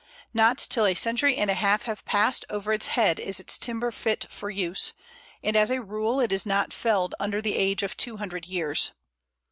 Not till a century and a half have passed over its head is its timber fit for use, and as a rule it is not felled under the age of two hundred years.